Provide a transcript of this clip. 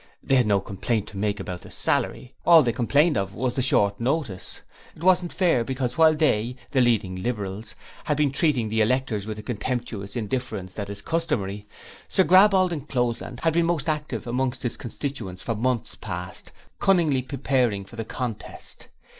They had no complaint to make about the salary, all they complained of was the short notice. It wasn't fair because while they the leading Liberals had been treating the electors with the contemptuous indifference that is customary, Sir Graball D'Encloseland had been most active amongst his constituents for months past, cunningly preparing for the contest.